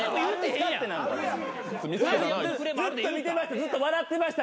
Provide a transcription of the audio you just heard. ずっと見てました。